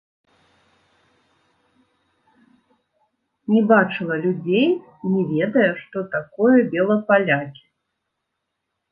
Не бачыла людзей, не ведае, што такое белапалякі.